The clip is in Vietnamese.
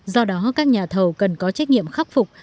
do đó các nhà thầu cần có trách nhiệm khắc phục